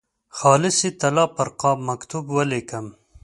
خالصې طلا پر قاب مکتوب ولیکم.